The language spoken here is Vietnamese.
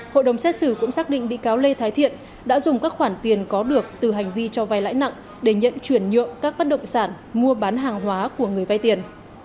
hội đồng xét xử cũng xác định bị cáo lê thái thiện đã dùng các khoản tiền có được từ hành vi cho vay lãi nặng để nhận chuyển nhượng các bất động sản mua bán hàng hóa của người vay tiền